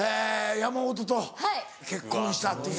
山本と結婚したっていう。